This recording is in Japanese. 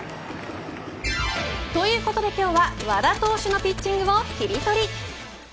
ということで今日は和田投手のピッチングをキリトリ。